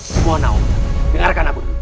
semua naum dengarkan aku